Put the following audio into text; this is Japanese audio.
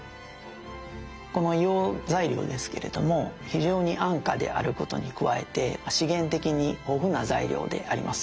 この硫黄材料ですけれども非常に安価であることに加えて資源的に豊富な材料であります。